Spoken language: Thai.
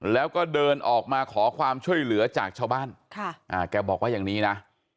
แล้วก็เดินออกมาขอความช่วยเหลือจากชาวบ้านแกบอกว่าอย่างนี้นะ